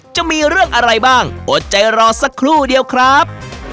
จะมีเรื่องอะไรบ้างอดใจรอสักครู่เดียวครับ